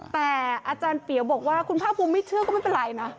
แต่อาจารย์เปียวบอกว่าคุณภาคภูมิไม่เชื่อก็ไม่เป็นไรนะ